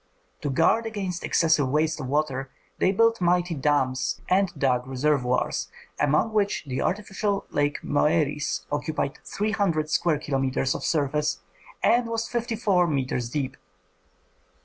To guard against excessive waste of water, they built mighty dams and dug reservoirs, among which the artificial lake Moeris occupied three hundred square kilometres of surface and was fifty four metres deep.